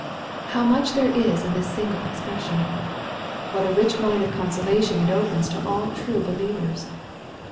How much there is in this single expression ! What a rich mine of consolation it opens to all true be lievers